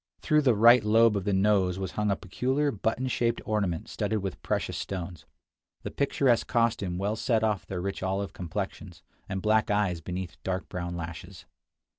Through the right lobe of the nose was hung a peculiar button shaped ornament studded with precious stones. This picturesque costume well set off their rich olive complexions, and black eyes beneath dark brown lashes.